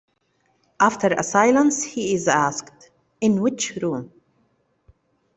After a silence he is asked, "In which room?"